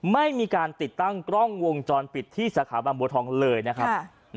ไม่มีการติดตั้งกล้องวงจรปิดที่สาขาบางบัวทองเลยนะครับ